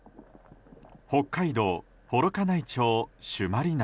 北海道幌加内町朱鞠内。